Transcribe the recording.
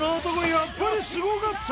やっぱりすごかった！